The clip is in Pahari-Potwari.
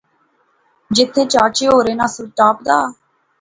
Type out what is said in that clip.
جتھے چاچے اوریں ناں سٹاپ دا